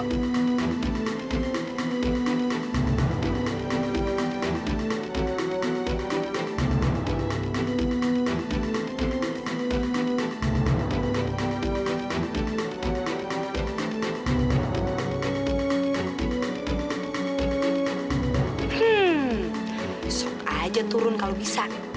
hmm besok aja turun kalau bisa